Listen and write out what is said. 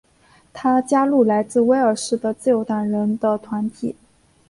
他加入来自威尔士的自由党人的团体。